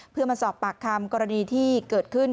เพื่อมาสอบปากคำกรณีที่เกิดขึ้น